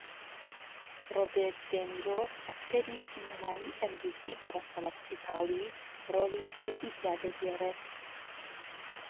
رۆبێرت دێنیرۆ ئەکتەری سینەمایی ئەمریکی بە رەچەڵەک ئیتاڵی رۆڵی سەرەکی تێدا دەگێڕێت